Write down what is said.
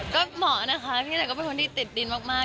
ก็เหมาะนะคะพี่ไหนก็เป็นคนที่ติดดินมาก